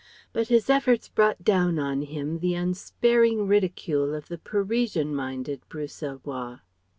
But his efforts brought down on him the unsparing ridicule of the Parisian minded Bruxellois.